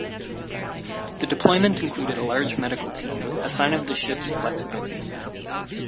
The deployment included a large medical team, a sign of the ship's flexibility.